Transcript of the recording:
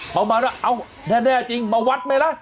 เขามาแล้วเอ้าแน่จริงมาวัดไหมล่ะ